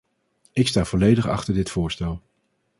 Ik sta volledig achter dit voorstel.